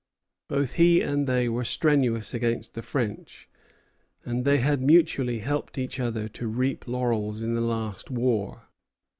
Both he and they were strenuous against the French, and they had mutually helped each other to reap laurels in the last war.